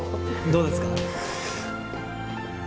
どうですか？